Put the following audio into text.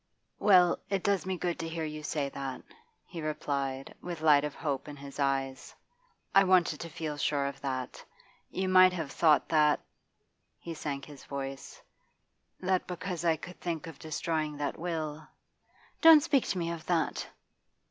'Well, it does me good to hear you say that,' he replied, with light of hope in his eyes. 'I wanted to feel sure of that. You might have thought that' he sank his voice 'that because I could think of destroying that will ' 'Don't speak of that!